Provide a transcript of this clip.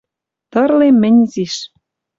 Тырлем тӹнь изиш.